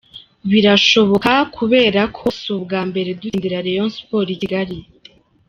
Birashoboka kubera ko si ubwa mbere dutsindira Rayon Sports i Kigali.